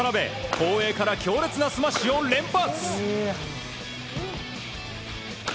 後衛から強烈なスマッシュを連発。